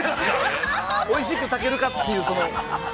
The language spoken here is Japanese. おいしく炊けるかという、その。